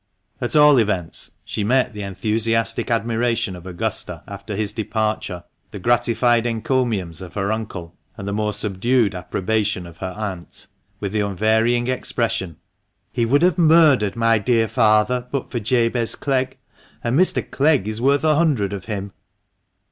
At all events, she met the enthusiastic admiration of Augusta after his departure, the gratified encomiums of her uncle, and the more subdued approbation of her aunt, with the unvarying expression, " He would have murdered my dear father but for Jabez Clegg, and Mr. Clegg is worth a hundred of him."